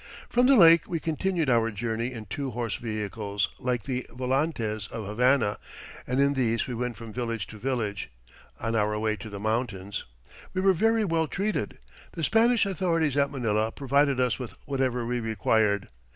"From the lake we continued our journey in two horse vehicles, like the volantes of Havana, and in these we went from village to village, on our way to the mountains. We were very well treated. The Spanish authorities at Manila provided us with whatever we required.